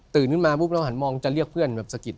ตื่นมาก็ทุกคนเขิดน่าวฮันมองแล้วจะเรียกเพื่อน